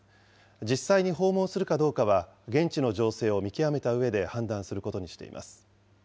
実際に訪問するかどうかは現地の情勢を見極めたうえで判断するこ